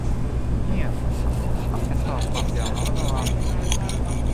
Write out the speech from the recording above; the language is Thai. เงียบ ฉันตอบกลับอย่างระมัดระวัง